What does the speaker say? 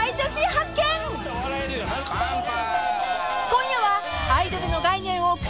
［今夜は］